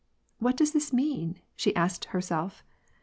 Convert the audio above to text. "What does this mean?" she asked herself.